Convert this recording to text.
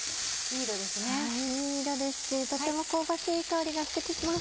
いい色ですしとても香ばしい香りがして来ます。